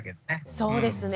そうですね。